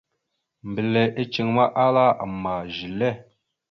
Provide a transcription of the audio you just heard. Mbile iceŋ ma, ahala: « Ama zile? ».